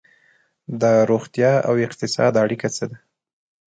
د روغتیا او اقتصاد اړیکه څه ده؟